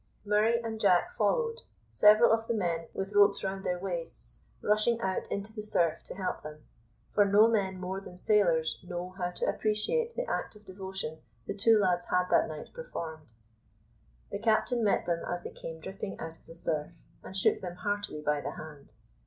Murray and Jack followed, several of the men, with ropes round their waists, rushing out into the surf to help them, for no men more than sailors know how to appreciate the act of devotion the two lads had that night performed. The captain met them as they came dripping out of the surf, and shook them heartily by the hand.